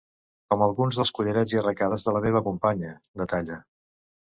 Com alguns dels collarets i arracades de la meva companya, detalla.